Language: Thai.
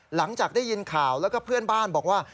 หลังจากได้ยินข่าวแล้วก็เพื่อนบ้านบอกว่า